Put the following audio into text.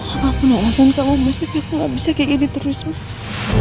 apa pun orang sentra lu mas aku gak bisa kayak gini terus mas